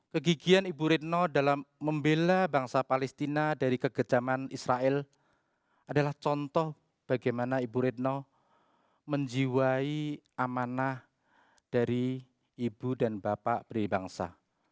kegigian ibu retno dalam membela bangsa palestina dari kegejaman israel adalah contoh bagaimana ibu retno menjiwai amanah dari ibu dan bapak beri bangsa